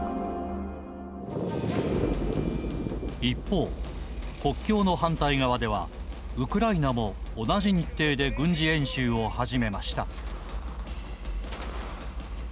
一方、国境の反対側ではウクライナも同じ日程で軍事演習を始めました。